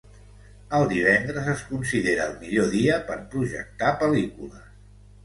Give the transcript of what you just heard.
El divendres es considera el millor dia per projectar pel·lícules.